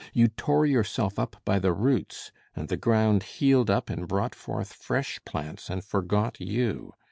You tore yourself up by the roots; and the ground healed up and brought forth fresh plants and forgot you.